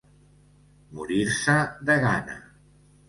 Morir-se de gana.